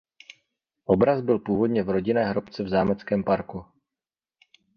Obraz byl původně v rodinné hrobce v zámeckém parku.